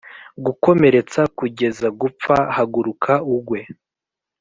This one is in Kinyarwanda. gukomeretsa kugeza gupfa, haguruka ugwe,